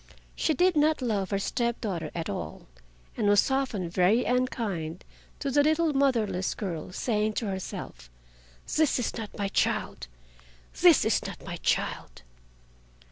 She did not love her step daughter at all, and was often very unkind to the little motherless girl, saying to herself: "This is not my child! this is not my child!"